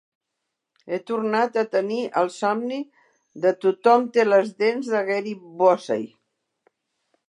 He tornat a tenir el somni de "tothom té les dents de Gary Busey".